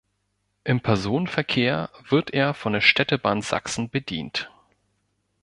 Im Personenverkehr wird er von der Städtebahn Sachsen bedient.